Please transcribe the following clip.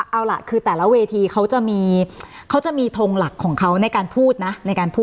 เอาล่ะคือแต่ละเวทีเขาจะมีทงหลักของเขาในการพูดนะ